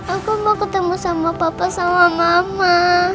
aku mau ketemu sama papa sama mama